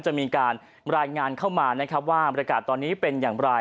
จะมีการรายงานเข้ามานะครับว่าบรรยากาศตอนนี้เป็นอย่างไร